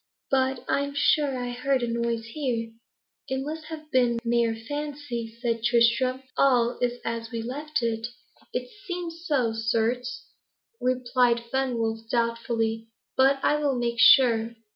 But I am sure I heard a noise here." "It must have been mere fancy," said Tristram. "All is as we left it." "It seems so, certes," replied Fenwolf doubtfully. "But I will make sure."